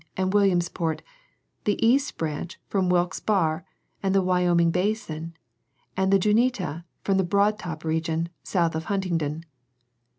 189 and Williamsport, the East Branch from Wilkes Barre in the Wyoming basin, and the Juniata from the Broad Top region, south of Huntingdon.